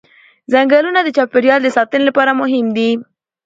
ځنګلونه د چاپېریال د ساتنې لپاره مهم دي